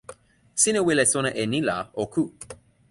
sina wile sona e ni la o ku.